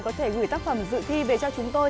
có thể gửi tác phẩm dự thi về cho chúng tôi